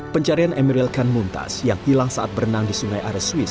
pencarian emeril kan muntas yang hilang saat berenang di sungai ares swiss